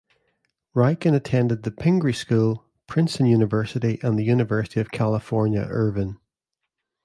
Reiken attended the Pingry School, Princeton University and the University of California, Irvine.